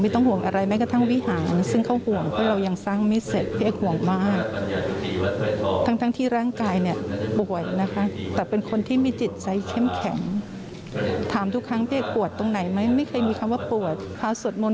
๒๔ชั่วโมงขอบคุณพี่เอกที่ทำให้เรามีตัวตน